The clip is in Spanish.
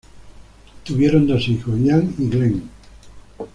Tuvieron dos hijos: Ian y Glen.